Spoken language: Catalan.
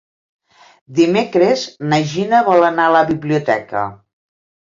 Dimecres na Gina vol anar a la biblioteca.